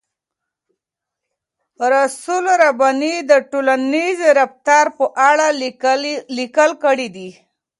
رسول رباني د ټولنیز رفتار په اړه لیکل کړي دي.